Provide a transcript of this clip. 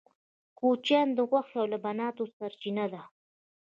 کوچیان د غوښې او لبنیاتو سرچینه ده